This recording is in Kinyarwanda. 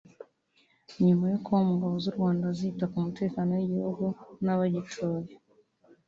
nyuma yo kuba ingabo z’u Rwanda zita ku mutekano w’igihugu n’abagituye